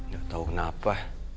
gak tau kenapa